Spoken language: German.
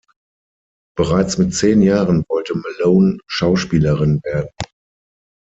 Bereits mit zehn Jahren wollte Malone Schauspielerin werden.